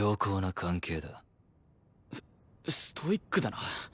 スストイックだな。